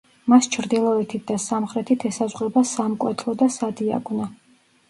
მას ჩრდილოეთით და სამხრეთით ესაზღვრება სამკვეთლო და სადიაკვნე.